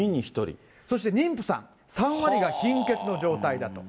そして妊婦さん、３割が貧血の状態だと。